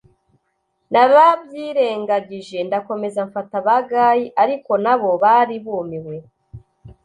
narabyirengagije ndakomeza mfata ba guy ariko nabo bari bumiwe